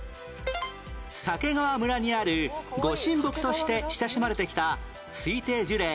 鮭川村にあるご神木として親しまれてきた推定樹齢